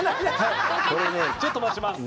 ちょっと待ちます。